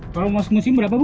kalau masuk musim berapa bu